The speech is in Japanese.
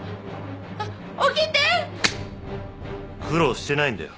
苦労してないんだよ。